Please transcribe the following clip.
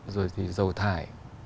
rồi thì dầu thải